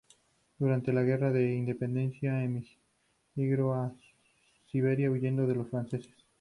Durante la guerra de independencia emigró a Sevilla huyendo de los franceses.